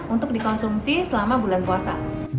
untuk dikonsumsi selama bulan puasa